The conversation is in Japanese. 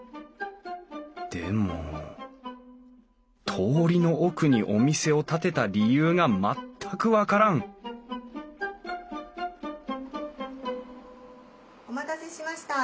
でも通りの奥にお店を建てた理由が全く分からんお待たせしました。